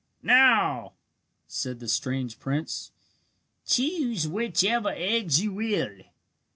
"Now," said the strange prince, "choose whichever eggs you will.